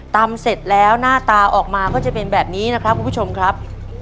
เสร็จแล้วหน้าตาออกมาก็จะเป็นแบบนี้นะครับคุณผู้ชมครับ